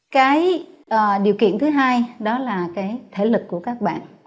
cái điều kiện thứ hai đó là cái thể lực của các bạn